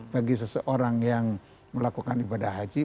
bagi seseorang yang melakukan ibadah haji